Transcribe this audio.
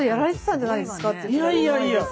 いやいやいや。